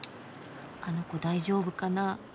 あの子大丈夫かな？